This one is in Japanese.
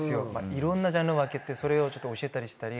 いろんなジャンル分けてそれを教えたりしたり。